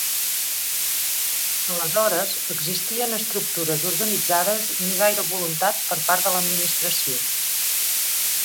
Aleshores, existien estructures organitzades ni gaire voluntat per part de l'Administració.